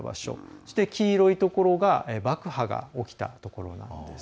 そして、黄色いところが爆破が起きたところなんです。